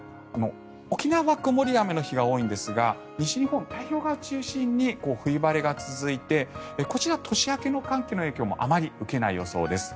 沖縄は曇り、雨の日が多いんですが西日本、太平洋側を中心に冬晴れが続いてこちら、年明けの寒気の影響もあまり受けない予想です。